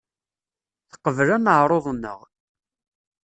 Teqbel aneɛruḍ-nneɣ.